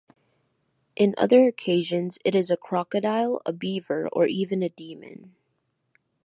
In other occasions, it is a crocodile, a beaver, or even a demon.